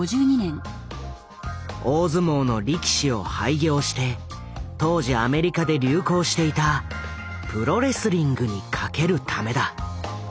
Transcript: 大相撲の力士を廃業して当時アメリカで流行していた「プロ・レスリング」に懸けるためだ。